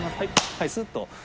はいスッと。